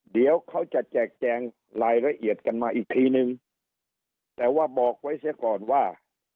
เดี๋ยวเขาจะแจกแจงรายละเอียดกันมาอีกทีนึงแต่ว่าบอกไว้เสียก่อนว่า